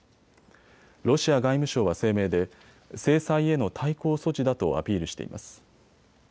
ロシア外務省は声明で制裁への対抗措置だとアピールしています。